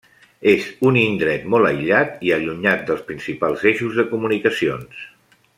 És un indret molt aïllat i allunyat dels principals eixos de comunicacions.